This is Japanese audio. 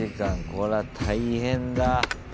これは大変だ。